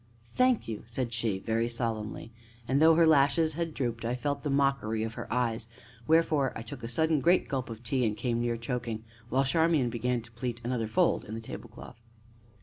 "Thank you!" said she, very solemnly, and, though her lashes had drooped, I felt the mockery of her eyes; wherefore I took a sudden great gulp of tea, and came near choking, while Charmian began to pleat another fold in the tablecloth.